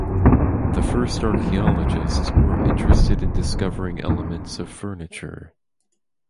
The first archaeologists were interested in discovering elements of furniture.